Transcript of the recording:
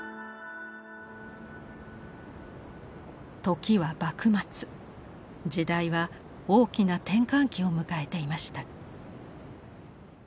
時は幕末時代は大きな転換期を迎えていました。